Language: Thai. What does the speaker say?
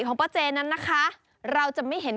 ของป้าเจนั้นนะคะเราจะไม่เห็น